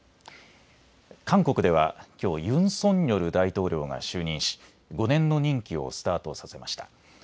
韓国ではきょうユン・ソンニョル大統領が就任し５年の任期をスタートさせました。